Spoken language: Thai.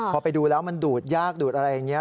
พอไปดูแล้วมันดูดยากดูดอะไรอย่างนี้